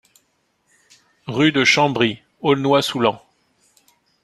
Rue de Chambry, Aulnois-sous-Laon